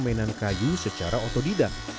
mainan kayu secara otodidak